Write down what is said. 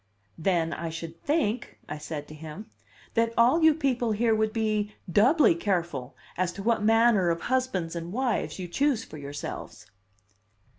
"Then I should think," I said to him, "that all you people here would be doubly careful as to what manner of husbands and wives you chose for yourselves."